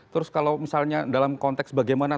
terus kalau misalnya dalam konteks bagaimana